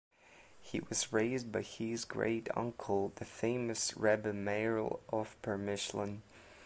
He was raised by his great uncle, the famous Rebbe Meir'l of Premishlan.